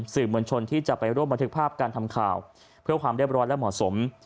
สื่อมวลชนที่จะไปร่วมบันทึกภาพการทำข่าวเพื่อความเรียบร้อยและเหมาะสม